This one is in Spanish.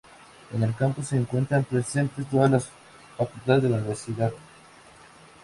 En el Campus se encuentran presentes todas las facultades de la universidad.